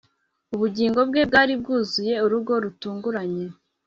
Ubugingo bwe bwari bwuzuye urugo rutunguranye